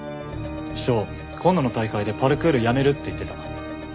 翔今度の大会でパルクールやめるって言ってた。